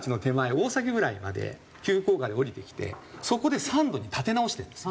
大崎ぐらいまで急降下で降りてきてそこで３度に立て直してるんです。